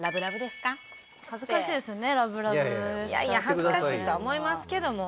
恥ずかしいとは思いますけども。